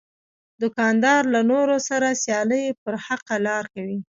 دوکاندار له نورو سره سیالي پر حقه لار کوي.